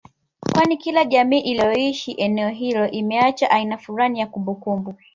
kwani kila jamii iliyoishi eneo hilo imeacha aina fulani ya kumbukumbu